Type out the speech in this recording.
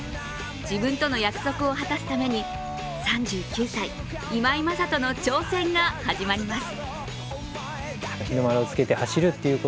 自分との約束を果たすために、３９歳、今井正人の挑戦が始まります。